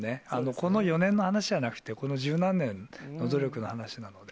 この４年の話じゃなくて、この十何年の努力の話なので。